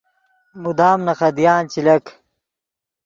مدام نے خدیان چے لک